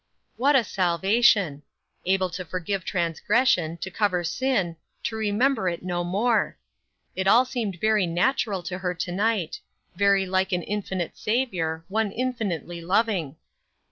What a salvation! Able to forgive transgression, to cover sin, to remember it no more. It all seemed very natural to her to night; very like an infinite Saviour; one infinitely loving.